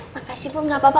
makasih pun gak apa apa